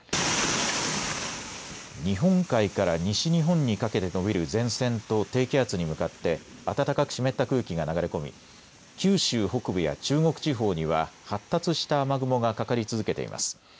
日本海から西日本にかけて延びる前線と低気圧に向かって暖かく湿った空気が流れ込み九州北部や中国地方には発達した雨雲がかかり続けています。